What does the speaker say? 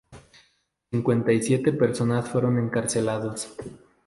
Cincuenta y siete personas fueron encarcelados.